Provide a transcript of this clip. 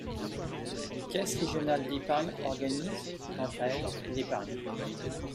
Les caisses régionales d’épargne organisent, quant à elles, l’épargne.